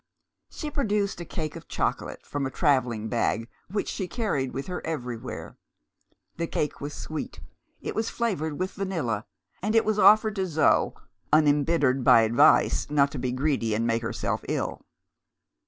She produced a cake of chocolate, from a travelling bag which she carried with her everywhere. The cake was sweet, it was flavoured with vanilla, and it was offered to Zo, unembittered by advice not to be greedy and make herself ill.